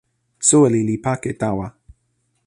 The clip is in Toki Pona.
soweli li pake tawa.